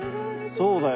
そうだよ